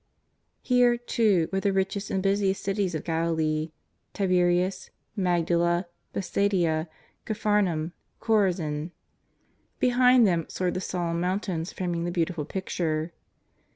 Here, too, were the richest and busiest cities of Galilee — Tiberias, Mag dala, Bethsaida, Capharnaum, Chorazin. Behind them soared the solemn mountains framing the beautiful picture.